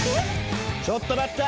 ちょっと待った！